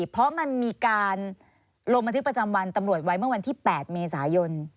เพราะมันมีการลงบันทึกประจำวันตำรวจไว้เมื่อวันที่๘เมษายน